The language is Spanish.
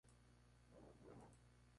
Con ella tuvo un hijo, Javier.